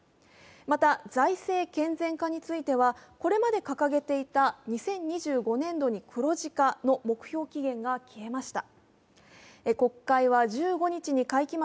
また財政健全化については、これまで掲げていた２０２５年度に黒字化の目標期限が消えました。